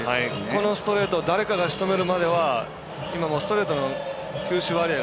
このストレート誰かがしとめるまでは今もうストレートの球種割合